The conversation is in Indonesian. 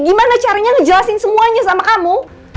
gimana caranya ngejelasin semuanya sama kamu